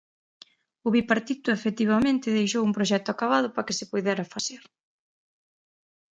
O Bipartito, efectivamente, deixou un proxecto acabado para que se puidera facer.